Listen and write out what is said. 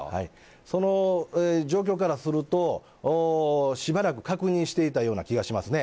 その状況からすると、しばらく確認していたような気がしますね。